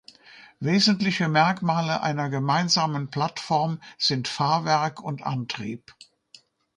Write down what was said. Wesentliche Merkmale einer gemeinsamen Plattform sind Fahrwerk und Antrieb.